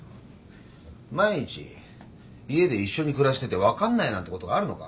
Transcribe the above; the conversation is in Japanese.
毎日家で一緒に暮らしてて分かんないなんてことがあるのか？